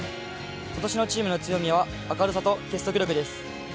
今年のチームの強みは明るさと結束力です。